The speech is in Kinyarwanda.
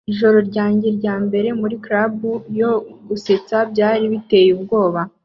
Ijoro ryanjye ryambere muri club yo gusetsa byari biteye ubwoba